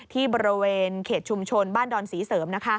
ที่บริเวณเขตชุมชนบ้านดอนศรีเสริม